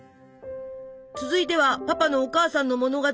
続いてはパパのお母さんの物語。